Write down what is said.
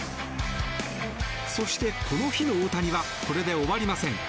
そして、この日の大谷はこれで終わりません。